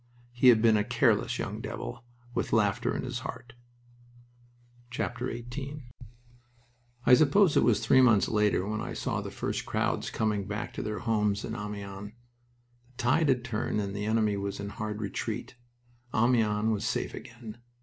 He had been a careless young devil, with laughter in his heart.... XVIII I suppose it was three months later when I saw the first crowds coming back to their homes in Amiens. The tide had turned and the enemy was in hard retreat. Amiens was safe again!